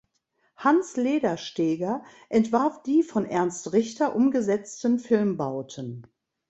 Hans Ledersteger entwarf die von Ernst Richter umgesetzten Filmbauten.